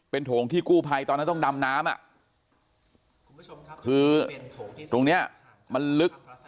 โถงที่กู้ภัยตอนนั้นต้องดำน้ำอ่ะคือตรงเนี้ยมันลึก